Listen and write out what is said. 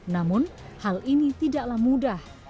namun hal ini tidaklah mudah